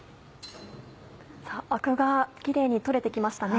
アクがキレイに取れて来ましたね。